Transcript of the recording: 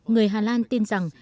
người hà lan tin rằng